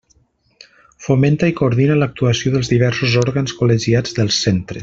Fomenta i coordina l'actuació dels diversos òrgans col·legiats dels centres.